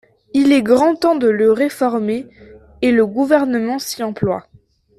Il est grand temps de le réformer et le Gouvernement s’y emploie.